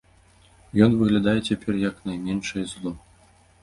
Ён выглядае цяпер як найменшае зло.